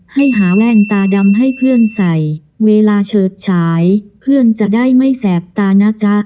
ให้หาแว่นตาดำให้เพื่อนใส่เวลาเฉิดฉายเพื่อนจะได้ไม่แสบตานะจ๊ะ